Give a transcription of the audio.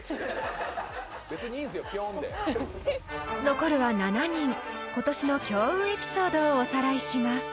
［残るは７人今年の強運エピソードをおさらいします］